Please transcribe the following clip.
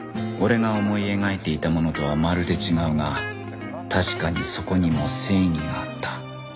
俺が思い描いていたものとはまるで違うが確かにそこにも正義があった